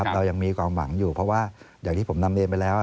เรายังมีความหวังอยู่เพราะว่าอย่างที่ผมนำเรียนไปแล้ว